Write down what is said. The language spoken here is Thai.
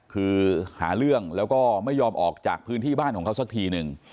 คือหาเรื่องแล้วก็ไม่ยอมออกจากพื้นที่บ้านของเขาสักทีหนึ่ง